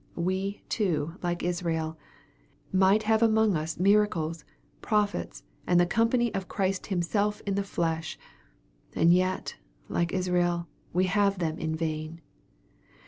We, too, like Israel, might have among us miracles, prophets, and the company of Christ Himself in the flesh, and yet, like Israel, have them in vain.